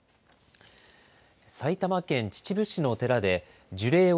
埼玉県秩父市の寺で、樹齢